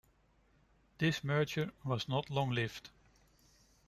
This merger was not long-lived.